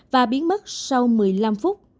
và biến mất sau năm phút